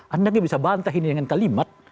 anda nggak bisa bantah ini dengan kalimat